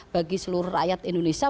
bagi seluruh rakyat indonesia